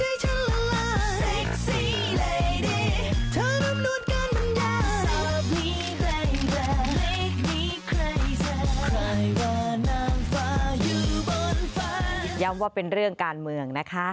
ย้ำว่าเป็นเรื่องการเมืองนะคะ